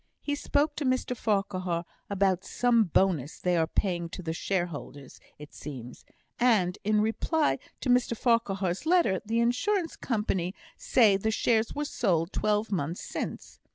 He spoke to Mr Farquhar about some bonus they are paying to the shareholders, it seems; and, in reply to Mr Farquhar's letter, the Insurance Company say the shares were sold twelve months since.